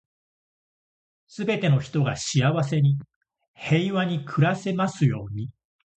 全ての人が幸せに、平和に暮らせますように。